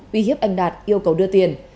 uy hiếp anh đạt yêu cầu đưa tiền